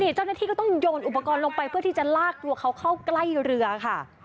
เจ้าหน้าที่ก็ต้องโยนอุปกรณ์ลงไปเพื่อที่จะลากตัวเขาเข้าใกล้เรือค่ะ